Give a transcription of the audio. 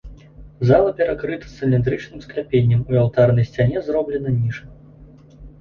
Зала перакрыта цыліндрычным скляпеннем, у алтарнай сцяне зроблена ніша.